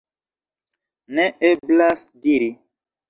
Ne eblas diri.